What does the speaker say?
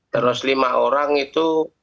terus lima orang itu